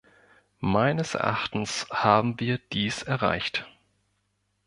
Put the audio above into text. Meines Erachtens haben wir dies erreicht.